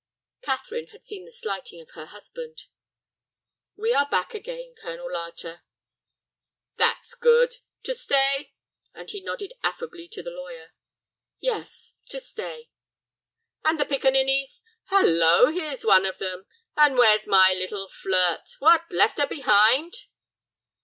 Catherine had seen the slighting of her husband. "We are back again, Colonel Larter." "That's good. To stay?" and he nodded affably to the lawyer. "Yes, to stay." "And the piccaninnies? Hallo, here's one of them! And where's my little flirt? What! Left her behind?"